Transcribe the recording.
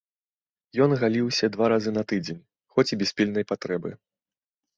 Ён галіўся два разы на тыдзень, хоць і без пільнай патрэбы.